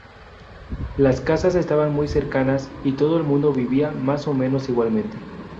Las casas estaban muy cercanas y todo el mundo vivía más o menos igualmente.